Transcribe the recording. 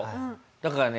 だからね